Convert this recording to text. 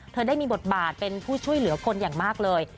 เธอได้มีบทบาทเป็นผู้ช่วยเหลือคนอย่างมากเลย